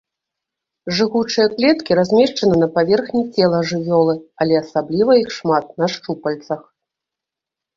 Жыгучыя клеткі размешчаны на паверхні цела жывёлы, але асабліва іх шмат на шчупальцах.